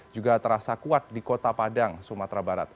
juga terasa kuat di kota padang sumatera barat